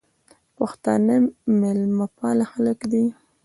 پښتانه میلمه پاله خلک دي